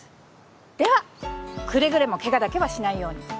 ではくれぐれもケガだけはしないように。